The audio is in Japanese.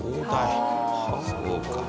そうか。